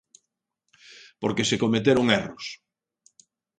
Porque se cometeron erros.